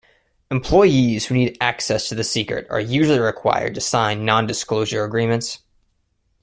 Employees who need access to the secret are usually required to sign non-disclosure agreements.